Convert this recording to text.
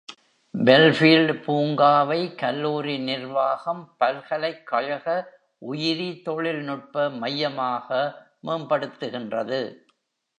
Belfield பூங்காவை கல்லூரி நிர்வாகம் பல்கலைக்கழக உயிரிதொழில்நுட்ப மையமாக மேம்படுத்துகின்றது.